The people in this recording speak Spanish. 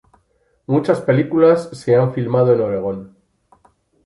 Muchas películas se han filmado en Oregón.